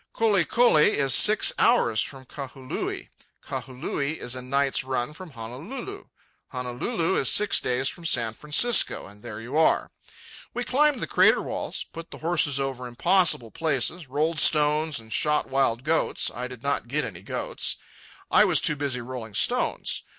Kolikoli is six hours from Kahului; Kahului is a night's run from Honolulu; Honolulu is six days from San Francisco; and there you are. We climbed the crater walls, put the horses over impossible places, rolled stones, and shot wild goats. I did not get any goats. I was too busy rolling stones.